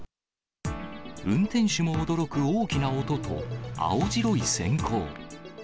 運転手も驚く大きな音と、青白いせん光。